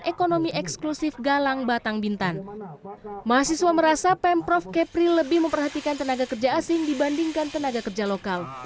pemkot makassar berencana menunjukkan tenaga kerja asing dibandingkan tenaga kerja lokal